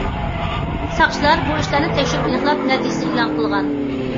ساقچىلار بۇ ئىشلارنى تەكشۈرۈپ ئېنىقلاپ نەتىجىسىنى ئېلان قىلغان.